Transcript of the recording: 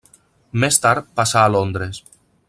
Més tard passà a Londres.